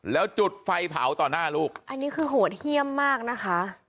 แล้วจุดไฟเผาต่อหน้าลูกอันนี้คือโหดเยี่ยมมากนะคะ